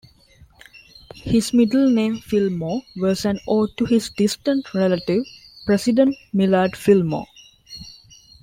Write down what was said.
His middle name, Fillmore, was an ode to his distant relative, President Millard Fillmore.